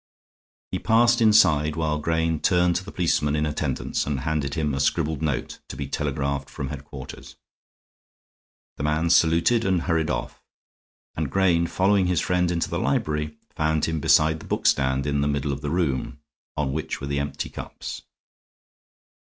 He passed inside, while Grayne turned to the policeman in attendance and handed him a scribbled note, to be telegraphed from headquarters. The man saluted and hurried off; and Grayne, following his friend into the library, found him beside the bookstand in the middle of the room, on which were the empty cups.